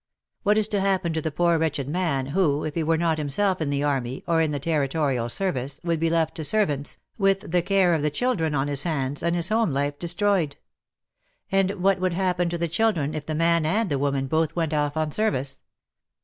What is to happen to the poor wretched man who, if he were not himself in the army or in the Territorial service, would be left to servants, with the care of the children on his hands and his home life de stroyed. And what would happen to the children if the man and the woman both went off on service